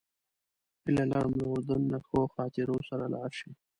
هیله لرم له اردن نه ښو خاطرو سره لاړ شئ.